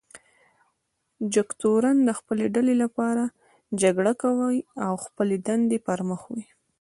جګتورن د خپلې ډلې لپاره جګړه کوي او خپلې دندې پر مخ وړي.